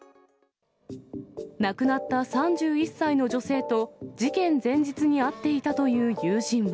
亡くなった３１歳の女性と事件前日に会っていたという友人は。